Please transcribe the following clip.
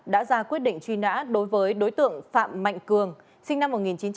đã ra quyết định truy nã đối với đối tượng phạm mạnh cường sinh năm một nghìn chín trăm tám mươi